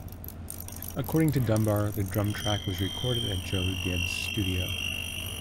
According to Dunbar, the drum track was recorded at Joe Gibbs studio.